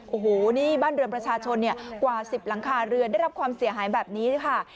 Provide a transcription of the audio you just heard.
โอ้โหนี่บ้านเรือนประชาชนกว่า๑๐หลังคาเรือนได้รับความเสียหายแบบนี้ค่ะ